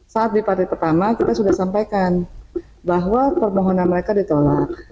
saat di partai pertama kita sudah sampaikan bahwa permohonan mereka ditolak